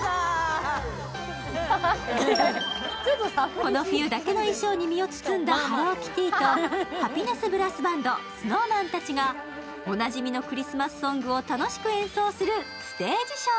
この冬だけの衣装に身を包んだハローキティとハピネス・ブラスバンド、スノーマンたちがおなじみのクリスマスソングを楽しく演奏するステージショー。